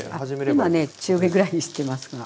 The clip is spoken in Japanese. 今ね中火ぐらいにしてますが。